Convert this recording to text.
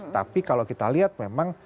tapi kalau kita lihat memang